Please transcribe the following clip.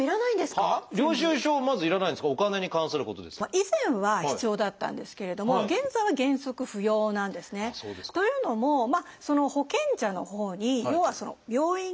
以前は必要だったんですけれども現在は原則不要なんですね。というのも保険者のほうに要は病院から請求いきますよね。